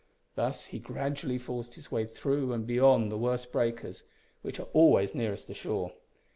Thus he gradually forced his way through and beyond the worst breakers, which are always those nearest shore.